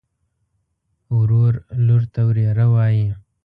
ورور لور ته وريره وايي.